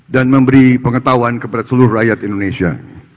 dan memberi pengetahuan kepada seluruh rakyat indonesia